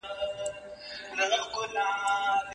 ملا غوښتل چي یې لاندي بوزي کورته